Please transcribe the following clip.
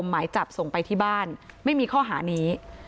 หมายจับส่งไปที่บ้านไม่มีข้อหานี้